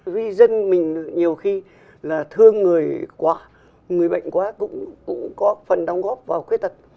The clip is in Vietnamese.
vì dân mình nhiều khi là thương người quá người bệnh quá cũng có phần đóng góp vào khuyết tật